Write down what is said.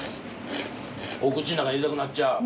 お口の中入れたくなっちゃう。